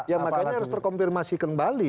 ya makanya harus terkonfirmasi kembali